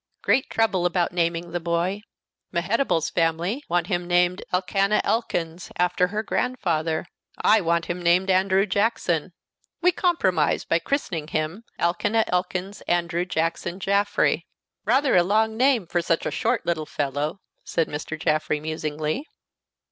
"Great trouble about naming the boy. Mehetabel's family want him named Elkanah Elkins, after her grandfather; I want him named Andrew Jackson. We compromise by christening him Elkanah Elkins Andrew Jackson Jaffrey. Rather a long name for such a short little fellow," said Mr. Jaffrey, musingly.